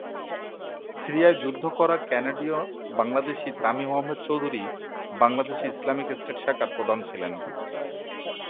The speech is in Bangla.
সিরিয়ায় যুদ্ধ করা কানাডীয় বাংলাদেশী তামিম আহমেদ চৌধুরী বাংলাদেশে ইসলামিক স্টেট শাখার প্রধান ছিলেন।